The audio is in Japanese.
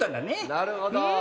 なるほど。